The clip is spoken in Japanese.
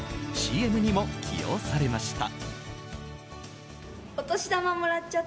ＣＭにも起用されました。